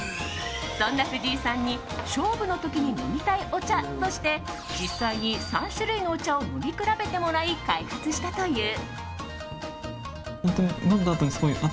そんな藤井さんに勝負の時に飲みたいお茶として実際に３種類のお茶を飲み比べてもらい開発したという。